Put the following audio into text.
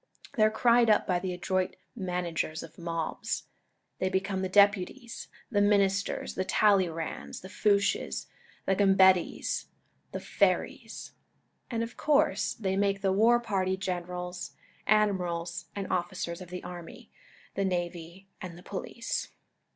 They are cried up by the adroit managers of mobs. They become the deputies, the ministers, the Talleyrands, the Fouches, the Gambettas, the Ferrys ; and of coui'se they make the war party generals, admirals, and officers of the army, the navy, and the police.